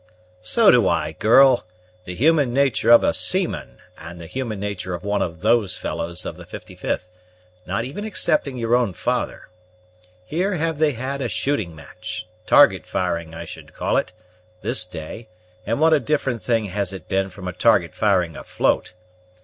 "So do I, girl; the human nature of a seaman, and the human nature of one of these fellows of the 55th, not even excepting your own father. Here have they had a shooting match target firing I should call it this day, and what a different thing has it been from a target firing afloat!